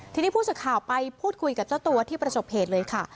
ทีนี้ผู้สื่อข่าวไปพูดคุยกับเจ้าตัวที่ประสบเหตุเลยค่ะ